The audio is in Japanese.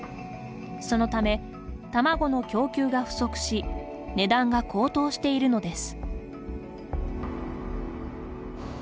そのため、卵の供給が不足し値段が高騰しているのです。